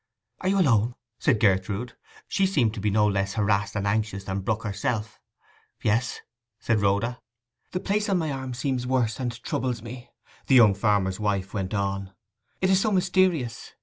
'Are you alone?' said Gertrude. She seemed to be no less harassed and anxious than Brook herself. 'Yes,' said Rhoda. 'The place on my arm seems worse, and troubles me!' the young farmer's wife went on. 'It is so mysterious!